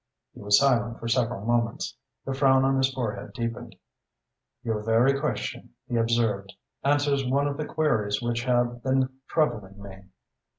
He was silent for several moments. The frown on his forehead deepened. "Your very question," he observed, "answers one of the queries which have been troubling me."